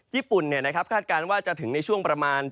คาดการณ์ว่าจะถึงในช่วงประมาณ